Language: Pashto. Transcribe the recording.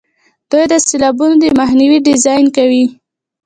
دوی د سیلابونو د مخنیوي ډیزاین کوي.